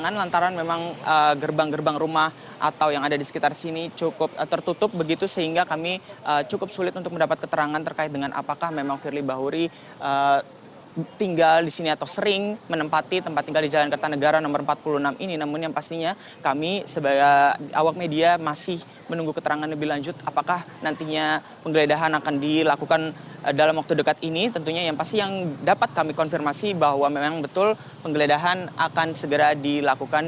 keterangan lantaran memang gerbang gerbang rumah atau yang ada di sekitar sini cukup tertutup begitu sehingga kami cukup sulit untuk mendapat keterangan terkait dengan apakah memang firly bahuri tinggal di sini atau sering menempati tempat tinggal di jalan kertanegara nomor empat puluh enam ini namun yang pastinya kami sebagai awak media masih menunggu keterangan lebih lanjut apakah nantinya penggeledahan akan dilakukan dalam waktu dekat ini tentunya yang pasti yang dapat kami konfirmasi bahwa memang betul penggeledahan akan segera dilakukan